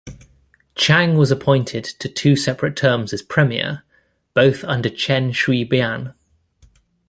Chang was appointed to two separate terms as Premier, both under Chen Shui-bian.